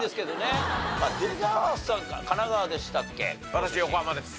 私横浜です。